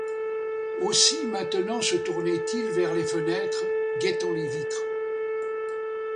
Aussi, maintenant, se tournait-il vers les fenêtres, guettant les vitres.